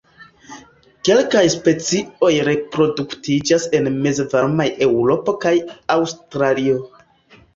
Kelkaj specioj reproduktiĝas en mezvarmaj Eŭropo kaj Aŭstralio.